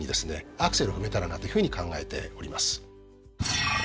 アクセルを踏めたらなというふうに考えております。